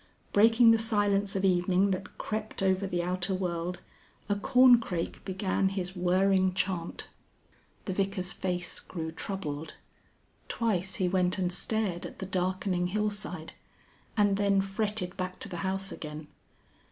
Breaking the silence of evening that crept over the outer world, a corncrake began his whirring chant. The Vicar's face grew troubled; twice he went and stared at the darkening hillside, and then fretted back to the house again.